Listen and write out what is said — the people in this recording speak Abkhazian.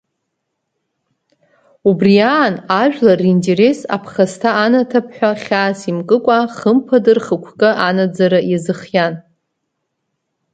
Убри аан, ажәлар ринтерес аԥхасҭа анаҭап ҳәа хьаас имкыкәа, хымԥада рхықәкы анаӡара иазыхиан.